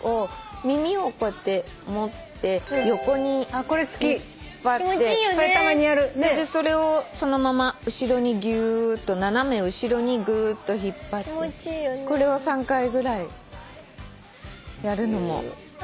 耳をこうやって持って横に引っ張ってそれをそのまま後ろにぎゅーっと斜め後ろにぐーっと引っ張ってこれを３回ぐらいやるのも。